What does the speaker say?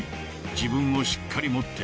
［自分をしっかり持って］